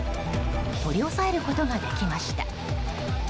取り押さえることができました。